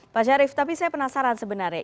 pak syarif tapi saya penasaran sebenarnya